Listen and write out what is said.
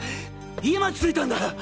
今ついたんだ！